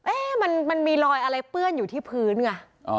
เอ๊ะมันมันมีลอยอะไรเปื้อนอยู่ที่พื้นอ่ะอ๋อ